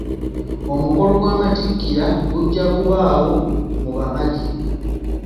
Omukolo gw'amatikkira gujja kubawo mu Bamadi.